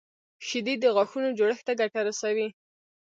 شیدې د غاښونو جوړښت ته ګټه رسوي